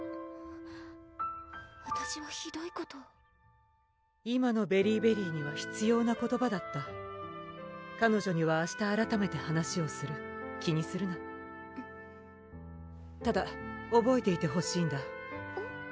わたしはひどいことを今のベリィベリーには必要な言葉だった彼女には明日あらためて話をする気にするなただおぼえていてほしいんだえっ？